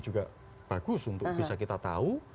juga bagus untuk bisa kita tahu